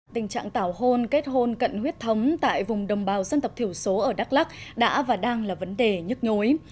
tình trạng tảo hôn kết hôn cận huyết thống tại vùng đồng bào dân tộc thiểu số ở đắk lắc đã và đang là vấn đề nhức nhối